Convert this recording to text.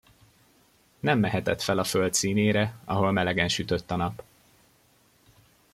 Nem mehetett fel a föld színére, ahol melegen sütött a nap.